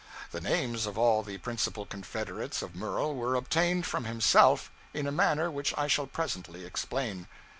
The names of all the principal confederates of Murel were obtained from himself, in a manner which I shall presently explain.